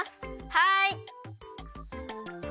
はい！